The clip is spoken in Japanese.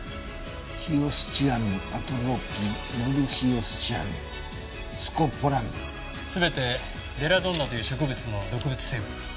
「ヒヨスチアミンアトロピン」「ノルヒヨスチアミンスコポラミン」全てベラドンナという植物の毒物成分です。